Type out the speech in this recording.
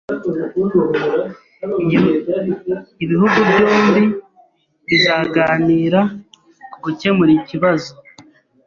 Ibihugu byombi bizaganira ku gukemura ikibazo.